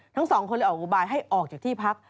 ทั้งสองคนเลยออกอุบายให้ออกจากที่พัก